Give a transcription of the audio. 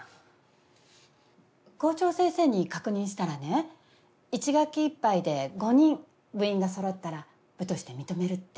校長先生に確認したらね１学期いっぱいで５人部員がそろったら部として認めるって。